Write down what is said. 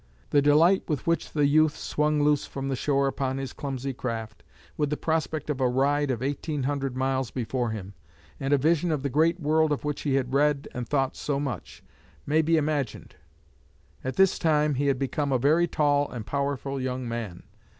The delight with which the youth swung loose from the shore upon his clumsy craft, with the prospect of a ride of eighteen hundred miles before him, and a vision of the great world of which he had read and thought so much, may be imagined. At this time he had become a very tall and powerful young man.